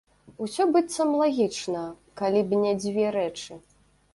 Усё, быццам, лагічна, калі б не дзве рэчы.